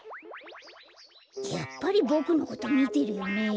やっぱりボクのことみてるよねえ？